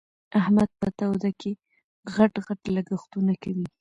احمد په توده کې؛ غټ غټ لګښتونه کوي.